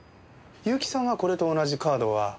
結城さんはこれと同じカードは？